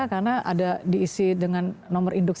karena ada diisi dengan nomor identitas